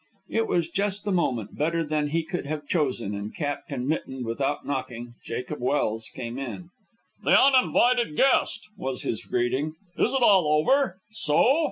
It was just the moment, better than he could have chosen; and capped and mittened, without knocking, Jacob Welse came in. "The uninvited guest," was his greeting. "Is it all over? So?"